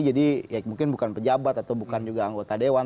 jadi ya mungkin bukan pejabat atau bukan juga anggota dewan